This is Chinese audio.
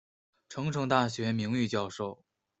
成城大学名誉教授。